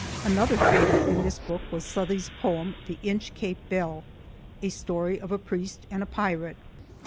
Another favorite in this book was Southey's poem "The Inchcape Bell," a story of a priest and a pirate.